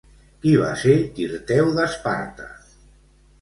Qui va ser Tirteu d'Esparta?